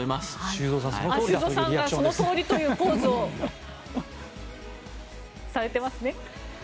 修造さんがその通りというポーズをされてますね。